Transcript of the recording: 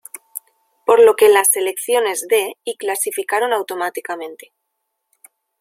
Por lo que las Selecciones de y clasificaron automáticamente.